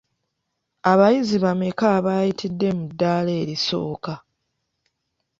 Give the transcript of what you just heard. Abayizi bameka abaayitidde mu ddaala erisooka?